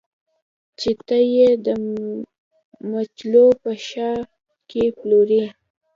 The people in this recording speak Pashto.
چې ته یې د مجلو په شا کې پلورې